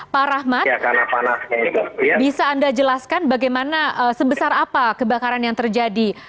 pak rahmat bisa anda jelaskan bagaimana sebesar apa kebakaran yang terjadi